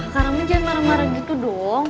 kak rahman jangan marah marah gitu dong